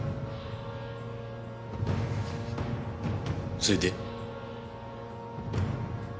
それで？